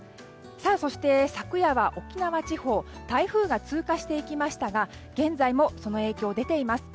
そして昨夜は沖縄地方台風が通過していきましたが現在も、その影響出ています。